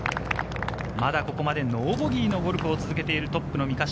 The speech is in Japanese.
ここまでノーボギーのゴルフを続けているトップ三ヶ島。